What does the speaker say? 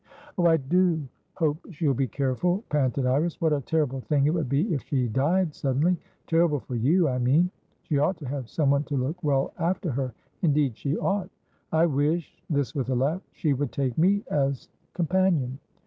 "Oh, I do hope she'll be careful," panted Iris. "What a terrible thing it would be if she died suddenlyterrible for you, I mean. She ought to have some one to look well after her, indeed she ought. I wish"this with a laugh"she would take me as companion.